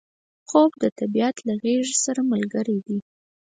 خوب د طبیعت له غیږې سره ملګری دی